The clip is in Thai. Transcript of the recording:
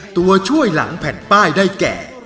ตัวช่วยหลังแผ่นป้ายได้แก่